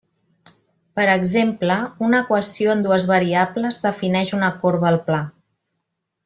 Per exemple, una equació en dues variables defineix una corba al pla.